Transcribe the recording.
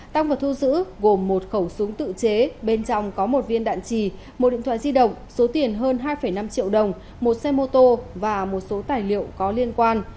tăng vật thu giữ gồm một khẩu súng tự chế bên trong có một viên đạn trì một điện thoại di động số tiền hơn hai năm triệu đồng một xe mô tô và một số tài liệu có liên quan